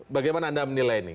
bagaimana anda menilai ini